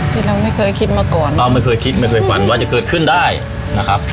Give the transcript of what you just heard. ที่เราไม่เคยคิดมาก่อนเราไม่เคยคิดไม่เคยฝันว่าจะเกิดขึ้นได้นะครับ